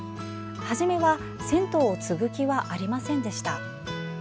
はじめは銭湯を継ぐ気はありませんでした。